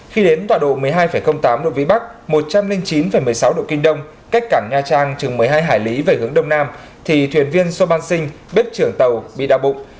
khi đến tòa độ một mươi hai tám độ vĩ bắc một trăm linh chín một mươi sáu độ kinh đông cách cảng nha trang chừng một mươi hai hải lý về hướng đông nam thì thuyền viên soman sinh bếp trưởng tàu bị đa bụng